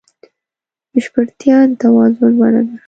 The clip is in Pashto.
بشپړتیا د توازن بڼه ده.